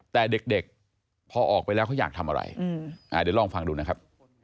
แต่เด็กพอออกไปแล้วเขาอยากทำอะไรเดี๋ยวลองฟังดูนะครับ